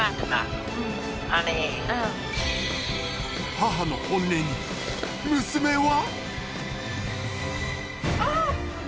母の本音に娘は？